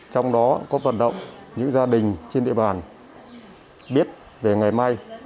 trong đó có vận động những gia đình trên địa bàn biết về ngày mai